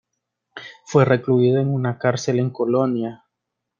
Fue recluido en una cárcel en Colonia.